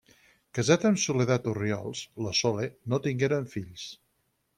Casat amb Soledat Orriols, La Sole, no tingueren fills.